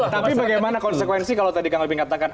tapi bagaimana konsekuensi kalau tadi kang albin katakan